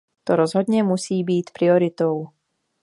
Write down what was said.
To rozhodně musí být prioritou.